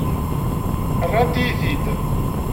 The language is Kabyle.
Rrant-iyi-t-id.